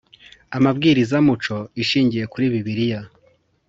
Ambwirizamuco Ishingiye kuri Bibiliya.